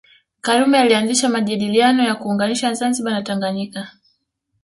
Karume alianzisha majadiliano ya kuunganisha Zanzibar na Tanganyika